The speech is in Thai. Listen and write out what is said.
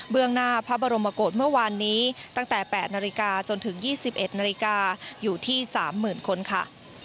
หน้าพระบรมโกศเมื่อวานนี้ตั้งแต่๘นาฬิกาจนถึง๒๑นาฬิกาอยู่ที่๓๐๐๐คนค่ะ